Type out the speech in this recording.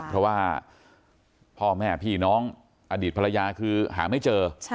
เพราะว่าพ่อแม่พี่น้องอดีตภรรยาคือหาไม่เจอ